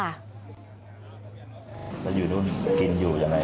วันนี้อยู่นรูปกินอยู่ที่ไหน